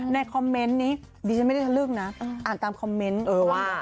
ในคอมเมนต์นี้ดิฉันไม่ได้ทะลึ่งนะอ่านตามคอมเมนต์ว่า